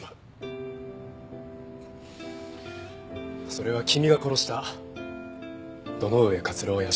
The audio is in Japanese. それは君が殺した堂上克郎や新庄和子